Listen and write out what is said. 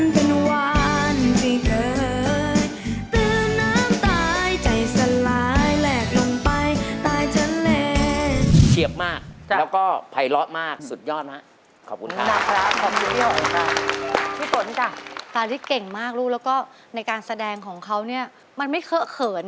เพราะฉันมันเป็นวันที่เกิด